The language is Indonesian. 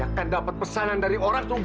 apa dia sudah masuk